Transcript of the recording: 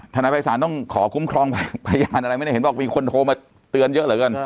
นายภัยศาลต้องขอคุ้มครองพยานอะไรไม่ได้เห็นบอกมีคนโทรมาเตือนเยอะเหลือเกิน